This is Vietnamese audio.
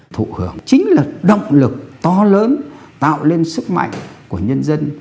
thụ hưởng chính là động lực to lớn tạo lên sức mạnh của nhân dân